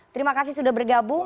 terima kasih sudah bergabung